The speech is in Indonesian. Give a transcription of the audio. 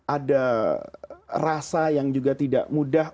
ada rasa yang juga tidak mudah